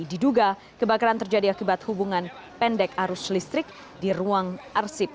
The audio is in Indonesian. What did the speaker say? diduga kebakaran terjadi akibat hubungan pendek arus listrik di ruang arsip